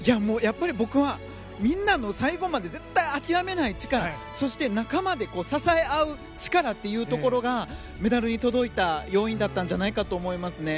やっぱり僕はみんなの最後まで絶対諦めない力そして、仲間で支え合う力というところがメダルに届いた要因だったんじゃないかと思います。